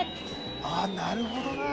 「ああなるほどな」